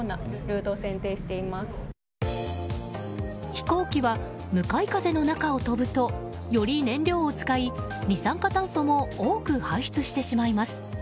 飛行機は向かい風の中を飛ぶとより燃料を使い二酸化炭素も多く排出してしまいます。